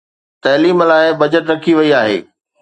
تعليم لاءِ بجيٽ رکي وئي آهي